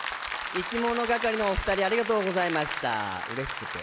いきものがかりのお二人、ありがとうございました。